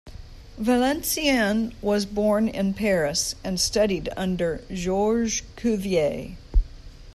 Valenciennes was born in Paris, and studied under Georges Cuvier.